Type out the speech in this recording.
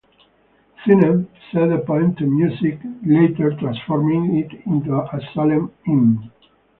Zinnen set the poem to music, later transforming it into a solemn hymn.